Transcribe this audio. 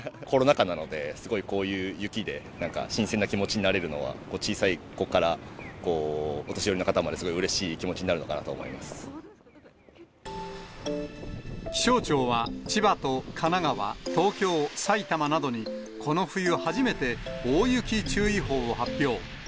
コロナ禍なので、すごいこういう雪で、なんか新鮮な気持ちになれるのは、小さい子からお年寄りの方まで、すごいうれしい気持ちになるのか気象庁は、千葉と神奈川、東京、埼玉などに、この冬初めて、大雪注意報を発表。